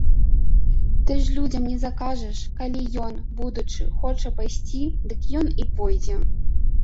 Ты ж людзям не закажаш, калі ён, будучы, хоча пайсці, дык ён і пойдзе.